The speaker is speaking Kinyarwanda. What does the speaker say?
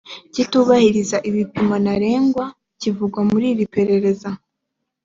kitubahiriza ibipimo ntarengwa kivugwa muri iri perereza